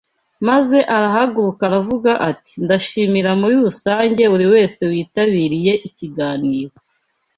Maze arahaguruka aravuga ati Ndashimira muri rusange buri wese witabiriye ikiganiro